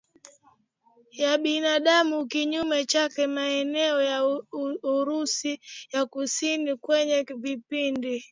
ya binadamu Kinyume chake maeneo ya Urusi ya kusini kwenye vipindi